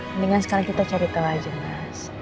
mendingan sekarang kita cari tahu aja mas